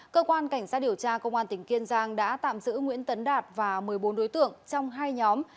cơ quan cảnh sát điều tra công an tỉnh kiên giang đã tạm giữ nguyễn tấn đạt và một mươi bốn đối tượng trong hai nhóm